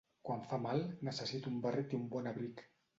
Quan fa mal necessito un barret i un bon abric.